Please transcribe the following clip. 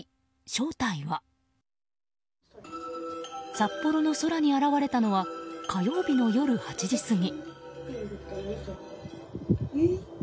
札幌の空に現れたのは火曜日の夜８時過ぎ。